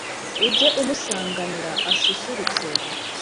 Ujye umusanganira ususurutse